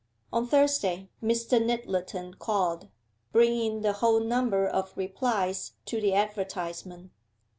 On Thursday Mr. Nyttleton called, bringing the whole number of replies to the advertisement.